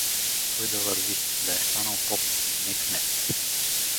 Той да върви, да е станал поп, не кмет.